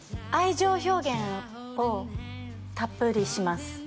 愛情表現をたっぷりします